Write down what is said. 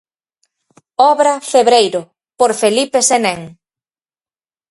Obra 'Febreiro', por Felipe Senén.